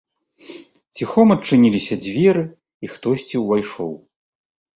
Ціхом адчыніліся дзверы і хтосьці ўвайшоў.